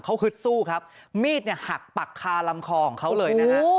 เขาฮึดสู้ครับมีดเนี่ยหักปักคาลำคอของเขาเลยนะฮะ